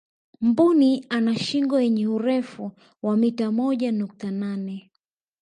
mbuni ana shingo yenye urefu wa mita moja nukta nane